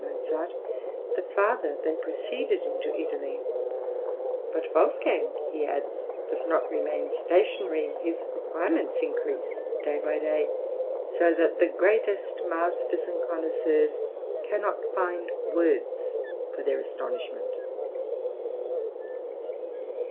Mozart, the farther they proceeded into Italy; "but Wolfgang," he adds, "does not remain stationary; his acquirements increase day by day, so that the greatest masters and connoisseurs cannot find words for their astonishment."